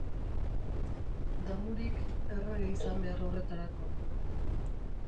Damurik, errege izan behar horretarako.